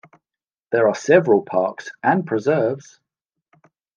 There are several parks and preserves.